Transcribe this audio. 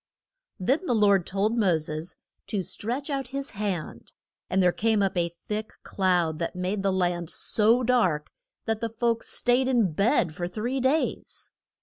Then the Lord told Mo ses to stretch out his hand, and there came up a thick cloud that made the land so dark that the folks staid in bed for three days.